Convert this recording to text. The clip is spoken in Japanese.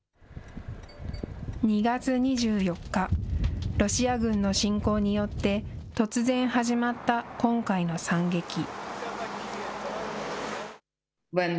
２月２４日、ロシア軍の侵攻によって突然、始まった今回の惨劇。